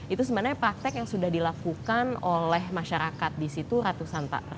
itu sebenarnya praktek yang sudah dilakukan oleh masyarakat di situ ratusan pak